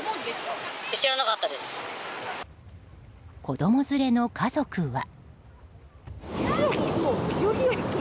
子供連れの家族は。